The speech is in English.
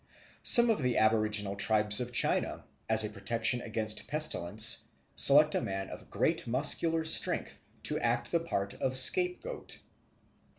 Some of the aboriginal tribes of China, as a protection against pestilence, select a man of great muscular strength to act the part of scapegoat.